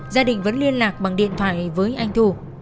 gia đình vẫn liên lạc bằng điện thoại với anh thu